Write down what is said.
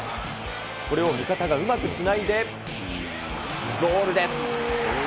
これを味方がうまくつないで、ゴールです。